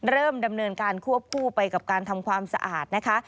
เริ่มดำเนินการควบคู่ไปกับการทำความสะอาดนะคะ